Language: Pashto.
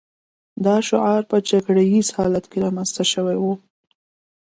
دا شعار په جګړه ییز حالت کې رامنځته شوی و